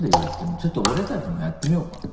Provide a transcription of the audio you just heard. ちょっと俺たちもやってみようか。